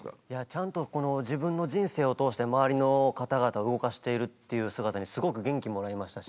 ちゃんと自分の人生を通して周りの方々を動かしているという姿にすごく元気もらいましたし。